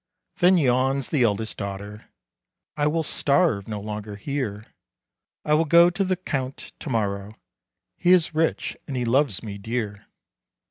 Then yawns the eldest daughter, "I will starve no longer here; I will go to the Count to morrow, He is rich, and he loves me dear."